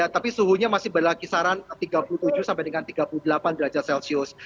tapi suhunya masih berkisaran tiga puluh tujuh sampai dengan tiga puluh delapan derajat celcius